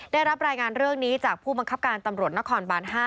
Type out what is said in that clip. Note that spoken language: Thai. ได้รับรายงานเรื่องนี้จากผู้บังคับการตำรวจนครบาน๕